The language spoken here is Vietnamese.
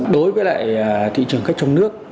đối với lại thị trường khách trong nước